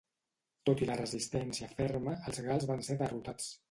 Tot i la resistència ferma, els gals van ser derrotats.